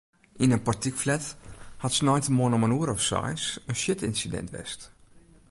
Yn in portykflat hat sneintemoarn om in oere of seis in sjitynsidint west.